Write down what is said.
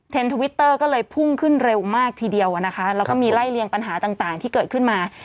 ทวิตเตอร์ก็เลยพุ่งขึ้นเร็วมากทีเดียวนะคะแล้วก็มีไล่เลียงปัญหาต่างที่เกิดขึ้นมา